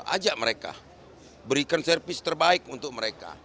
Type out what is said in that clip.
aja mereka berikan servis terbaik untuk mereka